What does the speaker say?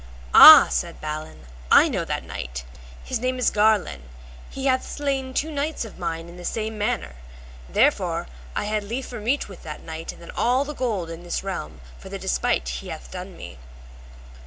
Ah! said Balin, I know that knight, his name is Garlon, he hath slain two knights of mine in the same manner, therefore I had liefer meet with that knight than all the gold in this realm, for the despite he hath done me.